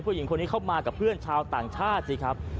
ผู้หญิงคนนี้เข้ามากับเพื่อนชาวต่างชาติสิครับ